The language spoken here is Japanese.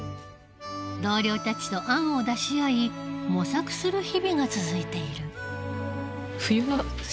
同僚たちと案を出し合い模索する日々が続いている。